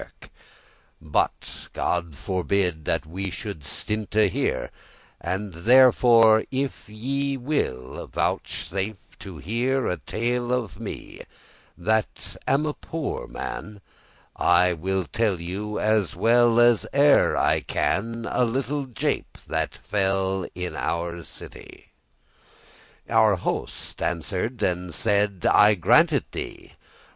*trick But God forbid that we should stinte* here, *stop And therefore if ye will vouchsafe to hear A tale of me, that am a poore man, I will you tell as well as e'er I can A little jape that fell in our city." Our Host answer'd and said; "I grant it thee.